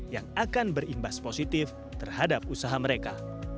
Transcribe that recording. yang akan berimbas positif terhadap usaha mereka